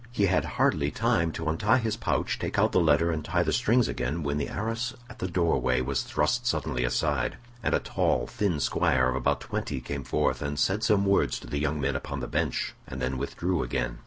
He had hardly time to untie his pouch, take out the letter, and tie the strings again when the arras at the door way was thrust suddenly aside, and a tall thin squire of about twenty came forth, said some words to the young men upon the bench, and then withdrew again.